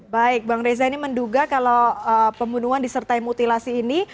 baik bang reza ini menduga kalau pembunuhan disertai mutilasi ini